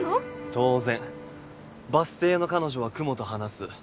当然「バス停の彼女は雲と話す。」